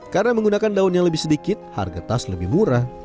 karena menggunakan daun yang lebih sedikit harga tas lebih murah